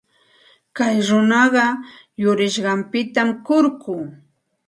Wak runaqa yurisqanpita kurku.